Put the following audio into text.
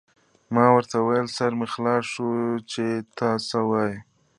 ما ورته وویل: سر مې خلاص شو، چې ته څه وایې.